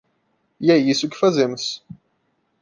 E é isso que fazemos.